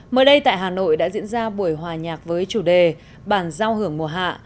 mới đây tại hà nội đã diễn ra buổi hòa nhạc với chủ đề bản giao hưởng mùa hạ